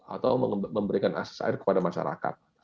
atau memberikan akses air kepada masyarakat